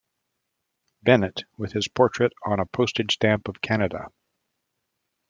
Bennett with his portrait on a postage stamp of Canada.